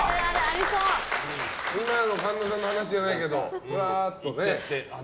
今の神田さんの話じゃないけどふらーっとね。